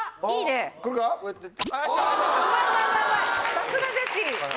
さすがジェシー。